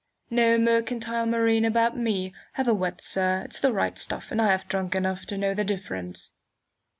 No mercantile marine about me! Have a wet, sir! It's the right stuff, and I have drunk enough to know the difference."